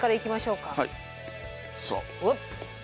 さあ。